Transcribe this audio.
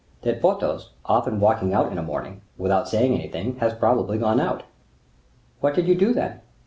"That Porthos, often walking out in a morning, without saying anything, had probably gone out." "What did you do, then?"